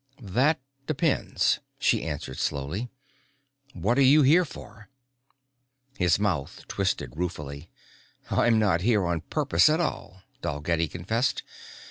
"That depends," she answered slowly. "What are you here for?" His mouth twisted ruefully. "I'm not here on purpose at all," Dalgetty confessed.